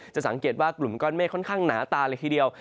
สังเกตว่ากลุ่มก้อนเมฆค่อนข้างหนาตาเลยทีเดียว